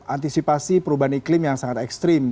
antisipasi perubahan iklim yang sangat ekstrim